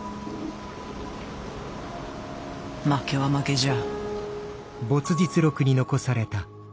負けは負けじゃ。